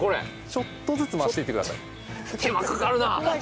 ちょっとずつ回していってください